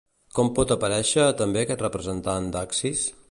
Com pot aparèixer també representat l'axis?